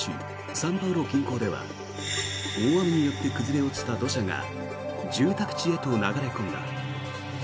サンパウロ近郊では大雨によって崩れ落ちた土砂が住宅地へと流れ込んだ。